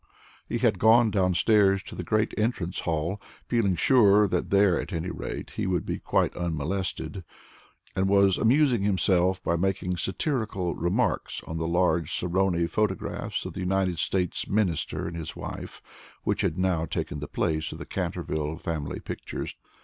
He had gone downstairs to the great entrance hall feeling sure that there, at any rate, he would be quite unmolested, and was amusing himself by making satirical remarks on the large Saroni photographs of the United States Minister and his wife, which had now taken the place of the Canterville family pictures.